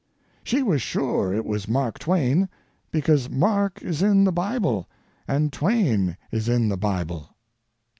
She was sure it was Mark Twain, because Mark is in the Bible and Twain is in the Bible.